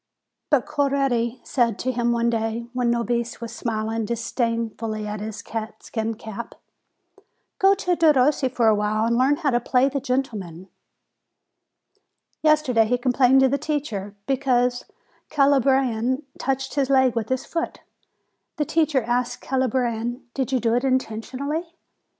But Coretti said to him one day, when Nobis was smiling disdainfully at his catskin cap : "Go to Derossi for a while, and learn how to play the gentleman!" Yesterday he complained to the teacher, because the Calabrian touched his leg with his foot. The teacher asked the Calabrian : "Did you do it intentionally?"